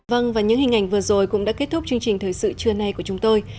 vâng và những hình ảnh vừa rồi cũng đã kết thúc chương trình thời sự trưa nay của chúng tôi